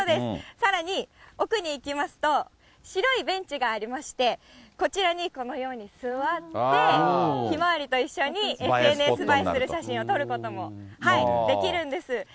さらに奥に行きますと、白いベンチがありまして、こちらにこのように座って、ひまわりと一緒にＳＮＳ映えする写真を撮ることもできるんです。